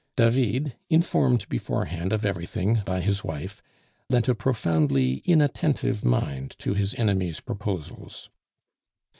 David, informed beforehand of everything by his wife, lent a profoundly inattentive mind to his enemies' proposals.